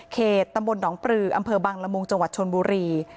เขตตนปรืออบังลมุงจชนบุรี